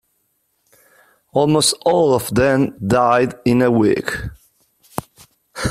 Almost all of them died in a week.